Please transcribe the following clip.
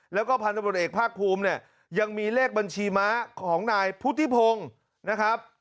แล้วก็พันธบทเอกภาคภูมิเนี่ยยังมีเลขบัญชีม้าของนายพุทธิพงศ์นะครับ